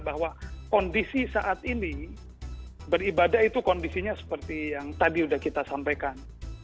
bahwa kondisi saat ini beribadah itu kondisinya seperti yang tadi sudah kita sampaikan